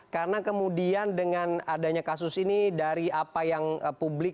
karena kemudian dengan adanya kasus ini dari apa yang publik sampaikan dan ekspresikan lewat media